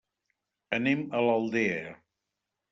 Anem a l'Aldea.